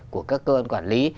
của các cơ quan quản lý